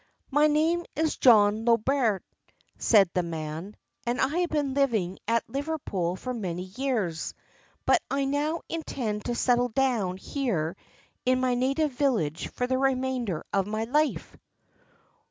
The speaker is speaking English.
"My name is John Lobert," said the man, "and I have been living at Liverpool for many years; but I now intend to settle down here in my native village for the remainder of my life."